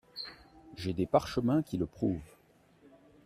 J’ai des parchemins qui le prouvent.